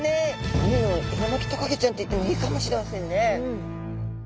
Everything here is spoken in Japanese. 海のエリマキトカゲちゃんって言ってもいいかもしれませんね。